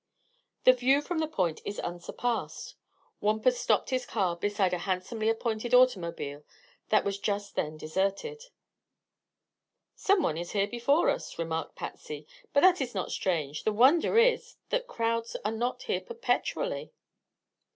The view from the Point is unsurpassed. Wampus stopped his car beside a handsomely appointed automobile that was just then deserted. "Some one is here before us," remarked Patsy. "But that is not strange. The wonder is that crowds are not here perpetually."